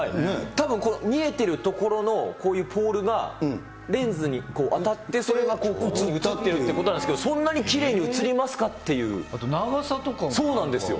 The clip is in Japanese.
たぶん、見えてる所のこういうポールが、レンズに当たって、それが写ってるってことなんですけど、そんなにきれいに写ります長さとかも、なんか。